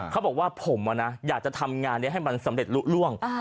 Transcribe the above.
เขาบอกว่าผมอยากจะทำงานนี้ให้มันสำเร็จลุล่วง